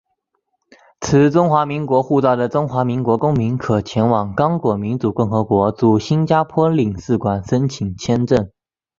持中华民国护照的中华民国公民可前往刚果民主共和国驻新加坡领事馆申请签证。